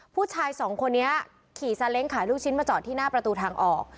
ผู้ชายสองคนนี้ขี่ซาเล้งขายลูกชิ้นมาจอดที่หน้าประตูทางออก